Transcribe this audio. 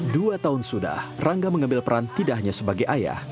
dua tahun sudah rangga mengambil peran tidak hanya sebagai ayah